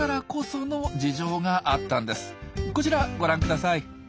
こちらご覧ください。